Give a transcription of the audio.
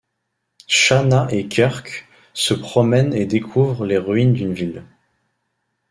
Shahna et Kirk se promènent et découvrent les ruines d'une ville.